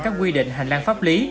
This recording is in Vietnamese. các quy định hành lang pháp lý